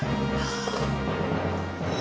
ああ。